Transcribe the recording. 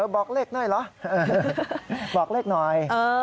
บอกเลขหน่อยเหรอบอกเลขหน่อย